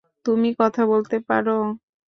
তুমি কথা বলতে পারো!